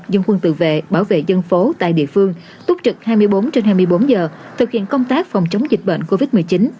dân quân tự vệ bảo vệ dân phố tại địa phương túc trực hai mươi bốn trên hai mươi bốn giờ thực hiện công tác phòng chống dịch bệnh covid một mươi chín